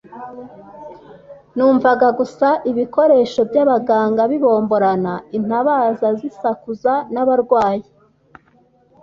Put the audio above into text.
numvaga gusa ibikoresho by’abaganga bibomborana intabaza zisakuza n’abarwayi